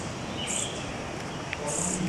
জন্ম থেকে পঁচন!